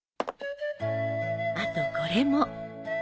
あとこれも。